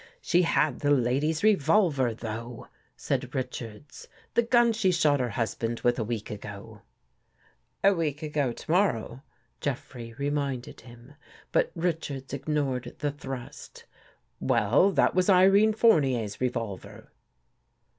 " She had the lady's revolver, though," said Rich ards. " The gun she shot her husband with a week ago." " A week ago to morrow," Jeffrey reminded him. But Richards ignored the thrust. " Well, that was Irene Fournier's revolver."